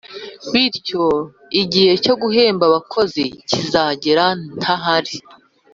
bityo igihe cyoguhemba abakozi cyizagera ntahari